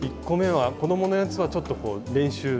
１個めは子どものやつはちょっと練習。